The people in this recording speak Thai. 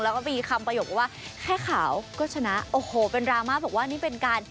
แล้วก็มีคำประโยคว่าแค่ขาวก็ชนะโอ้โหเป็นดราม่าบอกว่านี่เป็นการ